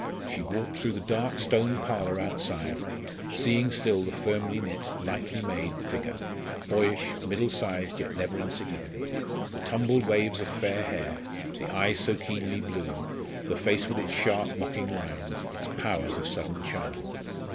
She walked through the dark Stone Parlour outside, seeing still the firmly knit lightly made figure boyish, middle sized, yet never insignificant the tumbled waves of fair hair, the eyes so keenly blue, the face with its sharp mocking lines, its powers of sudden charm.